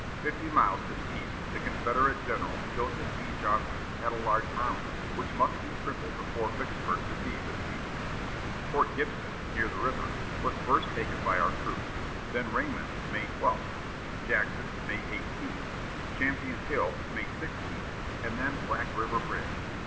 Fifty miles to the east, the Confederate General Joseph E. Johnston had a large army, which must be crippled before Vicksburg could be besieged. Port Gibson, near the river, was first taken by our troops; then Raymond, May 12; Jackson, May 18; Champion Hill, May 16; and then Black River Bridge.